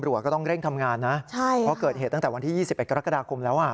ตำรวจก็ต้องเร่งทำงานนะพอเกิดเหตุตั้งแต่วันที่๒๑กรกฎาคมแล้ว